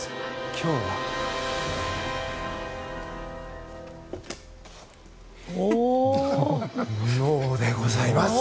今日は脳でございます。